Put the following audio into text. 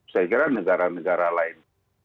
saya kira negara negara lain